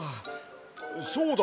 そうだ！